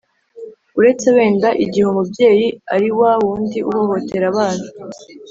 uretse wenda igihe umubyeyi ari wa wundi uhohotera abana,